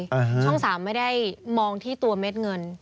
ช่องสามไม่ได้มองที่ตัวเม็ดเงิน